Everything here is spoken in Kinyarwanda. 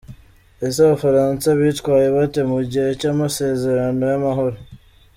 Ese abafaransa bitwaye bate mu gihe cy’amasezerano y’amahoro.